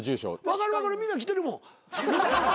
分かる分かるみんな来てるもん。